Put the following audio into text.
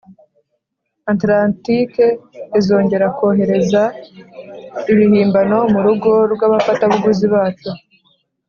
atlantike izongera kohereza ibihimbano murugo rwabafatabuguzi bacu,